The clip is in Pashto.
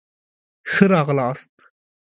ښه راغلاست